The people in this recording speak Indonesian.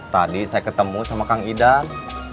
tadi saya ketemu sama kang idam